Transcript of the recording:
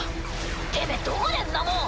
てめぇどこでんなもん。